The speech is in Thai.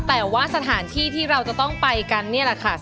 แต่ว่าสถานที่ที่เราจะต้องไปกันนี่แหละค่ะ